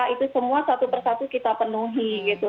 itu semua satu persatu kita penuhi gitu